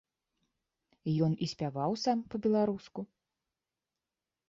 Ён і спяваў сам па-беларуску.